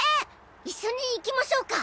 一緒に行きましょうか？